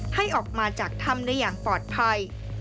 ให้ออกมาจากถ้ำได้อย่างปลอดภัย